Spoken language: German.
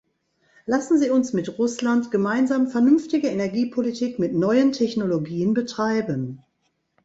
Lassen Sie uns mit Russland gemeinsam vernünftige Energiepolitik mit neuen Technologien betreiben.